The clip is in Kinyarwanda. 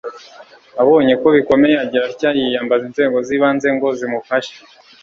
Abonye ko bikomeye agira atya yiyambaza inzego zibanze ngo zimufashe